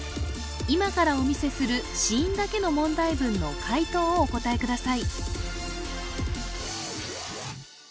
今からお見せする子音だけの問題文の解答をお答えください